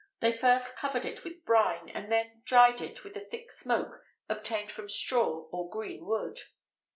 They first covered it with brine, and then dried it in a thick smoke obtained from straw or green wood.